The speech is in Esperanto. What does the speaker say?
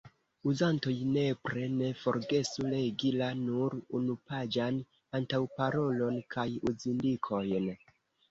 Uzantoj nepre ne forgesu legi la – nur unupaĝan – antaŭparolon kaj uzindikojn.